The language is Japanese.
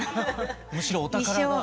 むしろお宝が。